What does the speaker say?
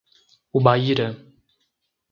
Ubaíra